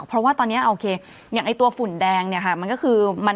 เพราะว่าตอนนี้โอเคอย่างไอ้ตัวฝุ่นแดงเนี่ยค่ะ